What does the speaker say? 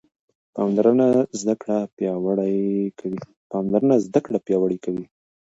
پاملرنه زده کړه پیاوړې کوي.